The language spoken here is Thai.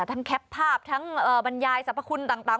แคปภาพทั้งบรรยายสรรพคุณต่าง